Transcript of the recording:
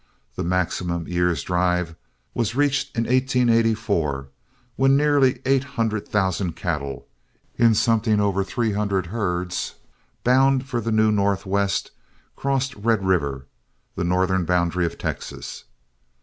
The maximum year's drive was reached in 1884, when nearly eight hundred thousand cattle, in something over three hundred herds, bound for the new Northwest, crossed Red River, the northern boundary of Texas.